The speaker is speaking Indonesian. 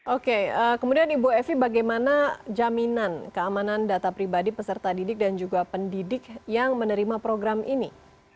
oke kemudian ibu evi bagaimana jaminan keamanan data pribadi peserta didik dan juga pendidik yang menerima program ini